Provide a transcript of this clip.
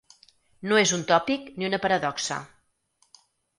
No és un tòpic ni una paradoxa.